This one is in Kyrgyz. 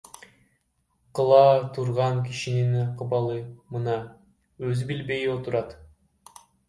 Кыла турган кишинин акыбалы мына, өзү билбей отурат.